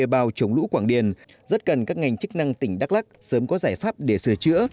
vào chống lũ quảng điền rất cần các ngành chức năng tỉnh đắk lắc sớm có giải pháp để sửa chữa